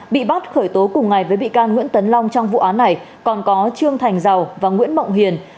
bị bắt khởi tố cùng ngày với bị can nguyễn tấn long trong vụ án này còn có trương thành giàu và nguyễn mộng hiền